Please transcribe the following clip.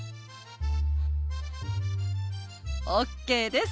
ＯＫです！